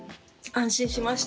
安心しました。